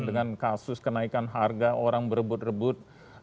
dengan kasus kenaikan harga orang berebut rebut